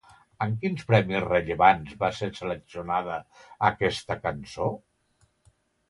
En quins premis rellevants va ser seleccionada, aquesta cançó?